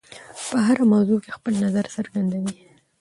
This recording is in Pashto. په هره موضوع کې خپل نظر څرګندوي.